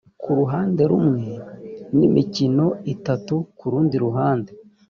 ku ruhande rumwe n’imikono itatu ku rundi ruhande